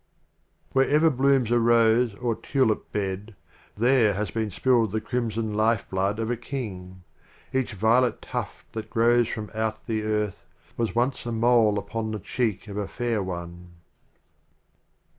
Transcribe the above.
XIX. Wherever blooms a Rose or Tulip Bed, There has been spilled the Crimson Life blood of a King. Each Violet tuft that grows from out the Earth Was once a mole upon the cheek of a Fair One.